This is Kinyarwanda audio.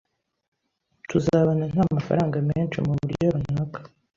Tuzabana nta mafaranga menshi muburyo runaka.